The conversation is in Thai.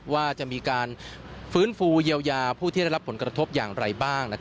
ว่าจะมีการฟื้นฟูเยียวยาผู้ที่ได้รับผลกระทบอย่างไรบ้าง